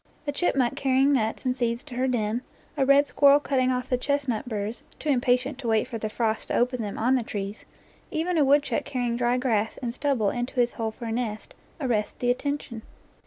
A chipmunk carrying nuts and seeds to her den, a red squirrel cutting off the chestnut burrs, too impatient to wait for the frost to open them on the trees, even a woodchuck carry ing dry grass and stubble into his hole for a nest, NEW GLEANINGS IN OLD FIELDS arrest the attention.